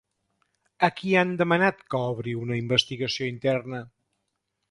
A qui han demanat que obri una investigació interna?